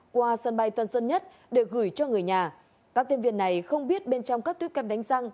qua sân bay tân sơn nhất để gửi cho người nhà các tiếp viên này không biết bên trong các tuyếp kem đánh răng